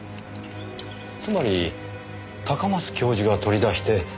つまり高松教授が取り出して自殺したと。